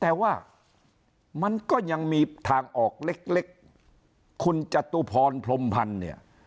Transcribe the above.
แต่ว่ามันก็ยังมีทางออกเล็กคุณจตุพรพรมพันธ์เนี่ย